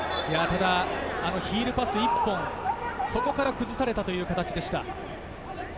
ヒールパス１本、そこから崩されたという形でした。